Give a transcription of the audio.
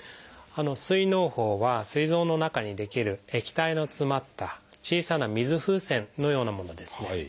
膵のう胞はすい臓の中に出来る液体の詰まった小さな水風船のようなものですね。